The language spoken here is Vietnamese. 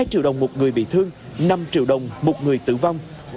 hai triệu đồng một người bị thương năm triệu đồng một người tử vong